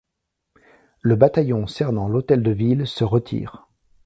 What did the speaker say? Le bataillon cernant l'hôtel de ville se retire.